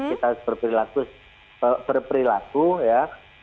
kita harus berperilaku ya